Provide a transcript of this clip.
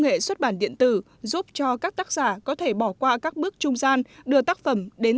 nghệ xuất bản điện tử giúp cho các tác giả có thể bỏ qua các bước trung gian đưa tác phẩm đến